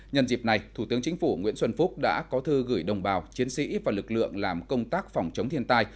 nhân dịp này thủ tướng chính phủ nguyễn xuân phúc đã có thư gửi đồng bào chiến sĩ và lực lượng làm công tác phòng chống thiên tai